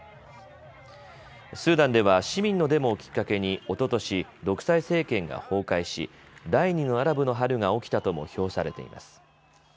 スーダンでは市民のデモをきっかけに、おととし独裁政権が崩壊し第２のアラブの春が起きたとも評されています。